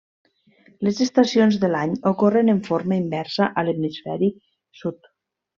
Les estacions de l'any ocorren en forma inversa a l'hemisferi sud.